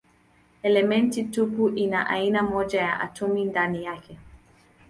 Elementi tupu ina aina moja tu ya atomi ndani yake.